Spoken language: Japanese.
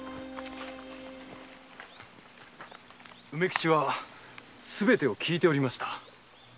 梅吉はすべてを聞いておりました。